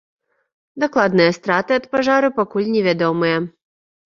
Дакладныя страты ад пажару пакуль невядомыя.